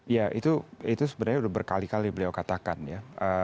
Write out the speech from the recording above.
ya itu sebenarnya sudah berkali kali beliau katakan ya